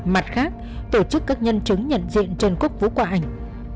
mặt khác tổ chức các nhân chứng nhận diện trần quốc vũ qua ảnh